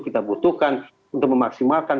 kita butuhkan untuk memaksimalkan